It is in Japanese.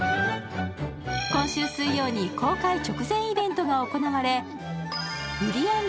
今週水曜に公開直前イベントが行われ、ゆりやん